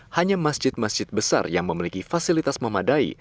hanya masjid masjid besar yang memiliki fasilitas memadai